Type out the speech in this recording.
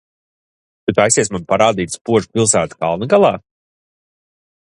Tu taisies man parādīt spožu pilsētu kalna galā?